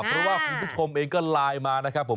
เพราะว่าคุณผู้ชมเองก็ไลน์มานะครับผม